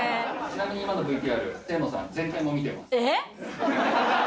ちなみに今のＶＴＲ、ええ？